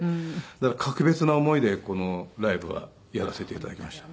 だから格別な思いでこのライブはやらせて頂きました。